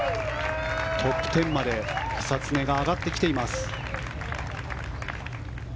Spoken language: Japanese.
トップ１０まで久常が上がってきています。